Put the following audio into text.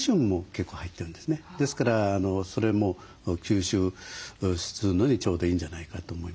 ですからそれも吸収するのにちょうどいいんじゃないかと思いますね。